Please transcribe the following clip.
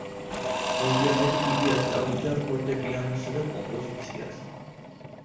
მოგვიანებით იგი ასწავლიდა ფორტეპიანოსა და კომპოზიციას.